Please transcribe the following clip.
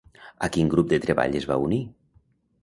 I a quin grup de treball es va unir?